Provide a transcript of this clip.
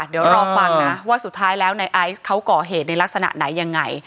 เดี๋ยวรอฟังนะว่าสุดท้ายแล้วในไอซ์เขาก่อเหตุในลักษณะไหนยังไง